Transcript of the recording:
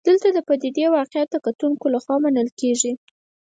دلته د پدیدې واقعیت د کتونکو لخوا منل کېږي.